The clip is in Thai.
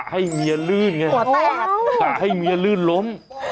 กระให้เมียลื้นแง่กระให้เมียลื้นล้ม